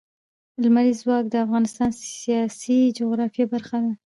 لمریز ځواک د افغانستان د سیاسي جغرافیه برخه ده.